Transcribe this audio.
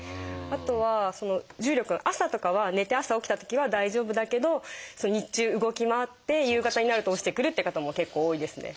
あとは重力の朝とかは寝て朝起きたときは大丈夫だけど日中動き回って夕方になると落ちてくるって方も結構多いですね。